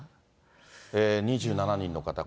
２７人の方が。